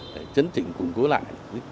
để chấn chỉnh củng cố lại